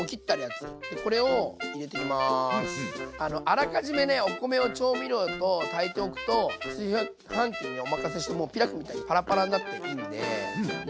あらかじめねお米を調味料と炊いておくと炊飯器にお任せしてもうピラフみたいにパラパラになっていいんで。